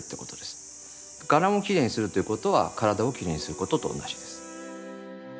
伽藍をきれいにするということは体をきれいにすることと同じです。